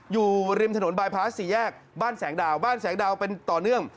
อยู่ริมถนนบายพลาสสี่แยกบ้านแสงดาวบ้านแสงดาวเป็นต่อเนื่อง